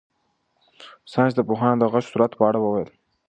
ساینس پوهانو د غږ د سرعت په اړه وویل.